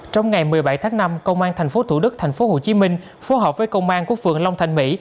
trong ngày một mươi bảy tháng năm công an tp thủ đức tp hcm phối hợp với công an quốc phường long thành mỹ